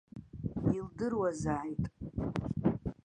Илдыруазааит.